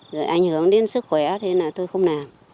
rồi ảnh hưởng đến sức khỏe thế là tôi không làm